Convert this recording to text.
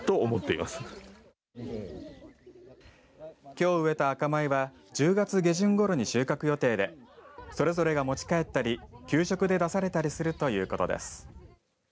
きょう植えた赤米は１０月下旬ごろに収穫予定でそれぞれが持ち帰ったり給食で出されたりするということです。